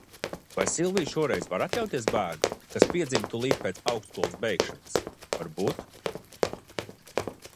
Vai Silvija šoreiz var atļauties bērnu, kas piedzimtu tūlīt pēc augstskolas beigšanas, varbūt?